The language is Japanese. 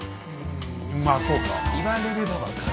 まあそうか。